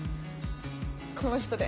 この人で！